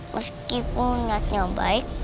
meskipun niatnya baik